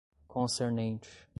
concernente